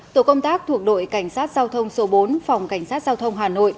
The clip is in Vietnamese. tổ công tác thuộc đội cảnh sát giao thông số bốn phòng cảnh sát giao thông hà nội